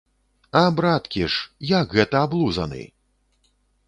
А браткі ж, як гэта аблузаны?